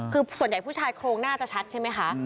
คือส่วนใหญ่ผู้ชายโครงน่าจะชัดใช่ไหมคะ